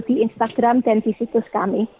di instagram dan di situs kami